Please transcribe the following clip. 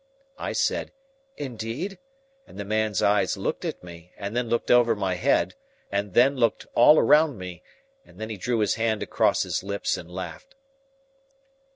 I said, "Indeed?" and the man's eyes looked at me, and then looked over my head, and then looked all round me, and then he drew his hand across his lips and laughed.